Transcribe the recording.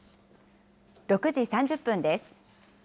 ６時３０分です。